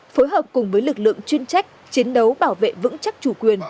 phối hợp cùng với lực lượng chuyên trách chiến đấu bảo vệ vững chắc chủ quyền